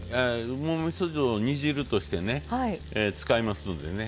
うまみそ酢を煮汁として使いますのでね